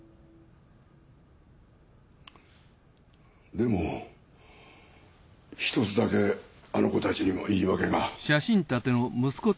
でもひとつだけあの子たちにも言い訳が。